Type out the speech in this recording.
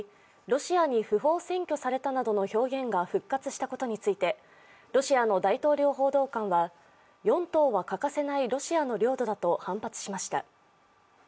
ロシアに不法占拠されたなどの表現が復活したことについてロシアの大統領報道官は四島は欠かせないロシアの領土だと反発しました。